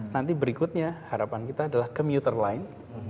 nanti berikutnya harapan kita adalah komuter line